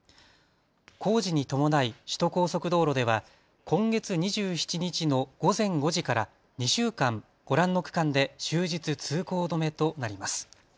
工事に伴い首都高速道路では今月２７日の午前５時から２週間、ご覧の区間で終日通行止めとなります。